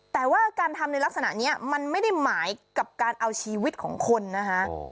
แต่ว่าการทำในลักษณะนี้มันไม่ได้หมายกับการเอาชีวิตของคนนะคะ